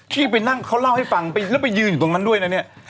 ที่ไปนั่งเขาเล่าให้ฟังแล้วไปยืนอยู่ตรงนั้นด้วยนะเนี่ย